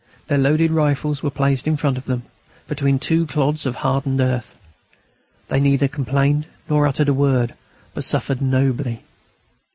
Their loaded rifles were placed in front of them, between two clods of hardened earth. They neither complained nor uttered a word, but suffered nobly.